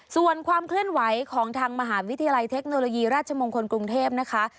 ส่วนความเคลื่อนไหวของทางมหาวิทยาลัยเทคโนโลยีราชมงคลกรุงเทพนะคะ